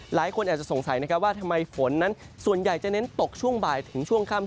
หลายคนอาจจะสงสัยนะครับว่าทำไมฝนนั้นส่วนใหญ่จะเน้นตกช่วงบ่ายถึงช่วงค่ำ